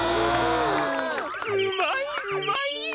うまいうまい！